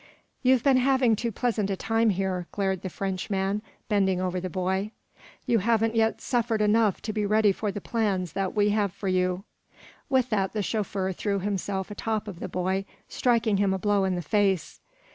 "You've been having too pleasant a time here," glared the Frenchman, bending over the boy. "You haven't yet suffered enough to be ready for the plans that we have for you." With that the chauffeur threw himself a top of the boy, striking him a blow in the face.